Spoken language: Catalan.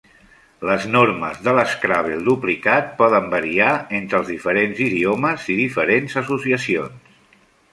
Les normes de l'Scrabble duplicat poden variar entre els diferents idiomes i diferents associacions.